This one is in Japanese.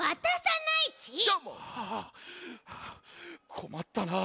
こまったなあ。